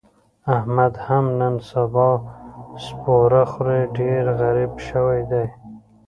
احمد هم نن سبا سپوره خوري، ډېر غریب شوی دی.